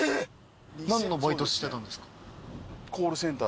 何のバイトしてたんですか？